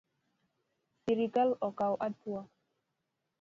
Sirkal okaw atua